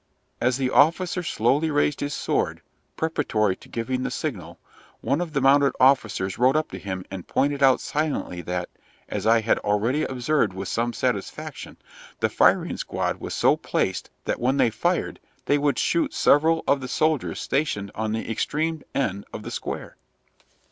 As the officer slowly raised his sword, preparatory to giving the signal, one of the mounted officers rode up to him and pointed out silently that, as I had already observed with some satisfaction, the firing squad were so placed that when they fired they would shoot several of the soldiers stationed on the extreme end of the square.